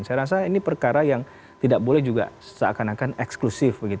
saya rasa ini perkara yang tidak boleh juga seakan akan eksklusif